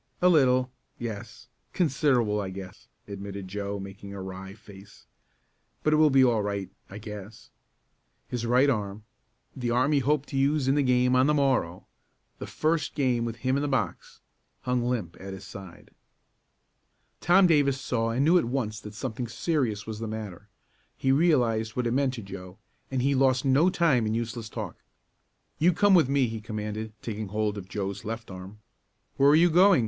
"A little yes; considerable I guess," admitted Joe, making a wry face. "But it will be all right I guess." His right arm the arm he hoped to use in the game on the morrow the first game with him in the box hung limp at his side. Tom Davis saw and knew at once that something serious was the matter. He realized what it meant to Joe, and he lost no time in useless talk. "You come with me!" he commanded, taking hold of Joe's left arm. "Where are you going?"